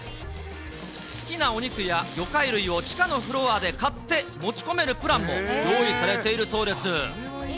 好きなお肉や魚介類を地下のフロアで買って、持ち込めるプランも用意されているそうです。